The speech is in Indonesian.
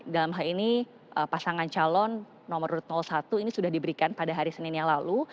dalam hal ini pasangan calon nomor satu ini sudah diberikan pada hari senin yang lalu